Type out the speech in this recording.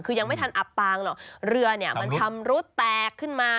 คือยังไม่ทันอับปางหรอกเรือเนี่ยมันชำรุดแตกขึ้นมา